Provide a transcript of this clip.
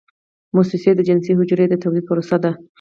میوسیس د جنسي حجرو د تولید پروسه ده